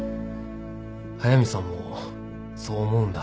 速見さんもそう思うんだ